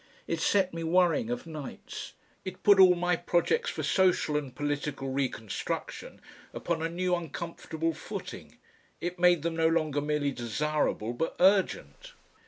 It set me worrying of nights. It put all my projects for social and political reconstruction upon a new uncomfortable footing. It made them no longer merely desirable but urgent.